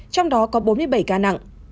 trong đó có bốn mươi bảy ca nặng